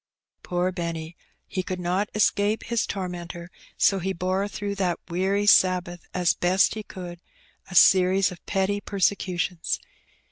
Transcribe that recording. " Poor Benny ! he could not escape his tormentor, so he bore throughout that weary Sabbath, as best he could, a series of petty persecutions.